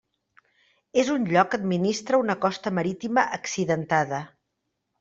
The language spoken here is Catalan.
És un lloc que administra una costa marítima accidentada.